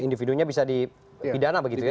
individunya bisa di pidana begitu ya